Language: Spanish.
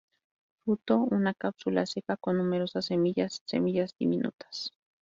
Fruto una cápsula seca con numerosas semillas; semillas diminutas.